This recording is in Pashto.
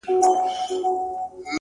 • په سیالانو ګاونډیانو کي پاچا وو ,